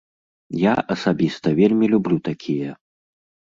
Я асабіста вельмі люблю такія.